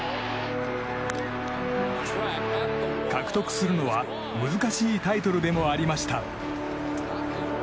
獲得するのは難しいタイトルでもありました。